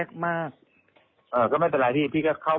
เพราะว่าตอนแรกมีการพูดถึงนิติกรคือฝ่ายกฎหมาย